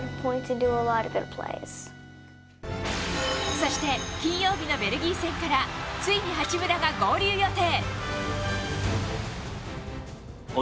そして金曜日のベルギー戦からついに八村が合流予定。